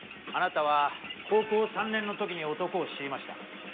あなたは高校３年の時に男を知りました。